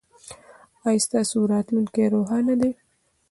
ایا ستاسو راتلونکې روښانه ده؟